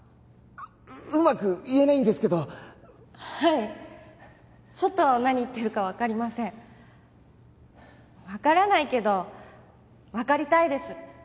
うまく言えないんですけどはいちょっと何言ってるか分かりません分からないけど分かりたいです